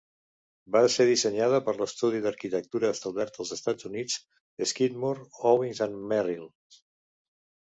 Va ser dissenyada per l'estudi d'arquitectura establert als Estats Units Skidmore, Owings and Merrill.